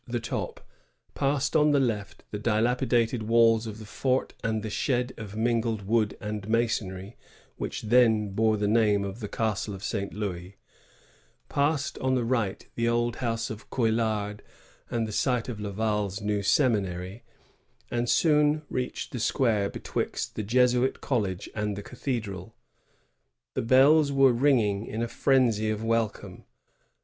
289 the top, passed on the left the dilapidated walls of the fort and the shed of mingled wood and masonry which then bore the name of the Castle of St. Louis; passed on the right the old house of Couillard and the site of Laval's new seminary, and soon reached the square betwixt the Jesuit college and the cathe dral. The bells were ringing in a frenzy of wel come.